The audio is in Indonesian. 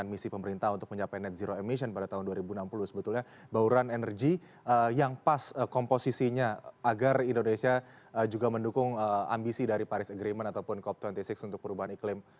misi pemerintah untuk mencapai net zero emission pada tahun dua ribu enam puluh sebetulnya bauran energi yang pas komposisinya agar indonesia juga mendukung ambisi dari paris agreement ataupun cop dua puluh enam untuk perubahan iklim